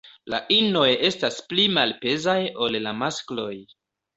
La inoj estas pli malpezaj ol la maskloj.